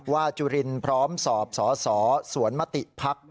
จุรินพร้อมสอบสอสอสวนมติภักดิ์